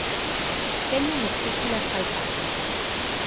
Teñen espículas calcarias.